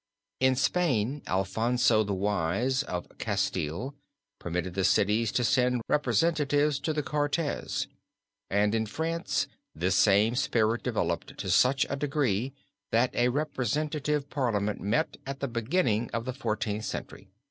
In Spain, Alfonso the Wise, of Castile, permitted the cities to send representatives to the Cortez, and in France this same spirit developed to such a degree that a representative parliament met at the beginning of the Fourteenth Century."